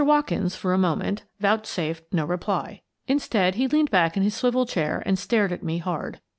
Watkins, for a moment, vouchsafed no re ply. Instead, he leaned back in his swivel chair and stared at me hard.